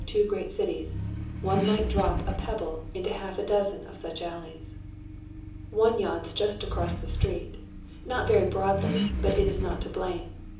31 two great cities, one might drop a pebble into Iialf a dozen Bueb alleys. One yawns just across the street ; not very broadly, but it is not to blame.